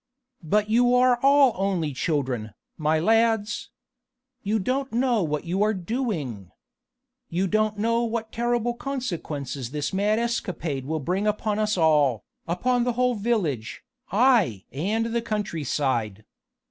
But you are all only children, my lads. You don't know what you are doing. You don't know what terrible consequences this mad escapade will bring upon us all, upon the whole village, aye! and the country side.